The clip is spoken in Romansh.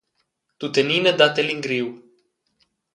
Tuttenina dat el in griu.